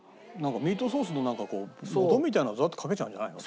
ミートソースのなんかこう素みたいなのをザッてかけちゃうんじゃないの？